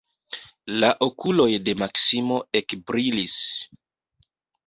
La okuloj de Maksimo ekbrilis.